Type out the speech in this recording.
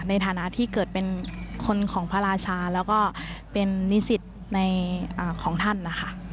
ในฐานะที่เกิดเป็นคนของพระราชาแล้วก็เป็นนิสิตของท่านนะคะ